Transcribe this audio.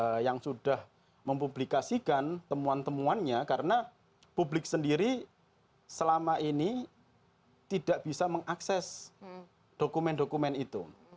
jadi kemudian juga sudah mempublikasikan temuan temuannya karena publik sendiri selama ini tidak bisa mengakses dokumen dokumen itu